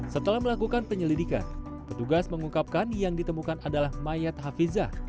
setelah melakukan penyelidikan petugas mengungkapkan yang ditemukan adalah mayat hafizah